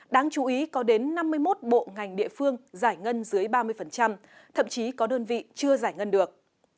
đáng chú ý có đến năm mươi một bộ ngành địa phương giải ngân dưới ba mươi thậm chí có đơn vị chưa giải ngân được